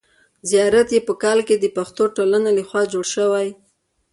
زیارت یې په کال کې د پښتو ټولنې له خوا جوړ شوی.